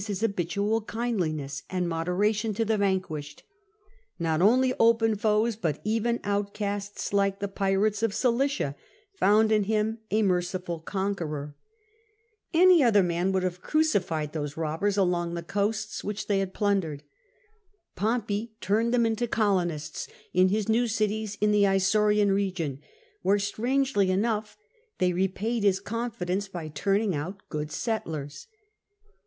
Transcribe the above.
his habitual kindliness and moderation to the vanquishe.d, Not only open foreign foes, but even outcasts, like the pirates of Cilicia, found in him a merciful conqueror. Any THE CHARACTER OF POMPEY 237 other man would have crucified those robbers along the coasts which they had plundered. Pompey turned them into colonists in his new cities in the Isaurian region, where, strangely enough, they repaid his confidence by turning out good settlers.